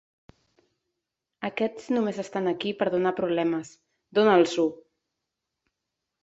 Aquests només estan aquí per donar problemes. Dóna'ls-ho!